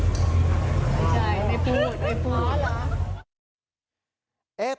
นี่จัยไอ้ฟู่ไอ้ฟู